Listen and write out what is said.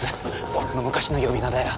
俺の昔の呼び名だよ。